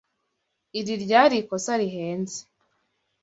Iri ryari ikosa rihenze.